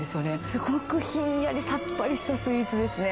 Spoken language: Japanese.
すごくひんやり、さっぱりしたスイーツですね。